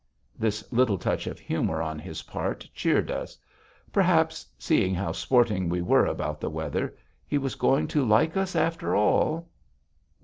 This little touch of humor on his part cheered us. Perhaps, seeing how sporting we were about the weather, he was going to like us after all.